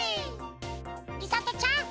みさとちゃん！